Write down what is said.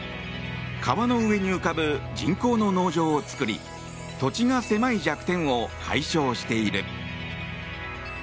川の上に浮かぶ人工の農場を作り土地が狭い弱点を解消している。